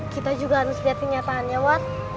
kita juga harus lihat kenyataannya pak